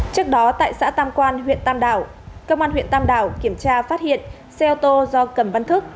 trước đó tại xã tam quan huyện tam đảo công an huyện tam đảo kiểm tra phát hiện xe ô tô do cầm văn thức